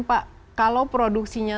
pak kalau produksinya